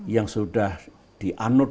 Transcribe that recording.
yang sudah dianud dan diaduk